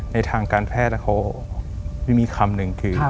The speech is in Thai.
ในทางการแพทย์เขาไม่มีคำหนึ่ง